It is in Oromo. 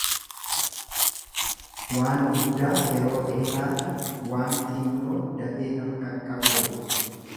Waan guddaa yeroo dheeraarra waan xinnoo dafee nama qaqqabu wayya.